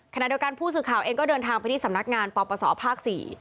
ขณะเดียวกันผู้สื่อข่าวเองก็เดินทางไปที่สำนักงานปปศภาค๔